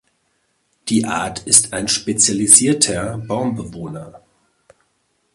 Die Art ist ein spezialisierter Baumbewohner.